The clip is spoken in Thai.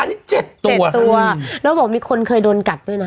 อันนี้๗ตัวแล้วบอกมีคนเคยโดนกัดด้วยนะ